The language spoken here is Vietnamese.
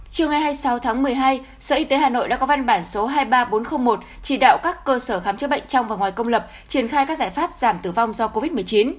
chiều ngày hai mươi sáu tháng một mươi hai sở y tế hà nội đã có văn bản số hai mươi ba nghìn bốn trăm linh một chỉ đạo các cơ sở khám chữa bệnh trong và ngoài công lập triển khai các giải pháp giảm tử vong do covid một mươi chín